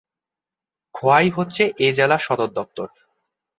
খোয়াই হচ্ছে এই জেলার সদরদপ্তর।